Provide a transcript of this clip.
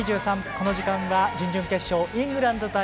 この時間は準々決勝イングランド対